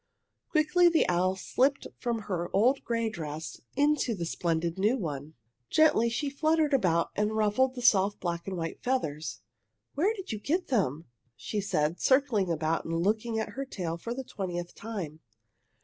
Quickly the owl slipped from her old gray dress into the splendid new one. Gently she fluttered about and ruffled the soft black and white feathers. "Where did you get them?" she said, circling about and looking at her tail for the twentieth time.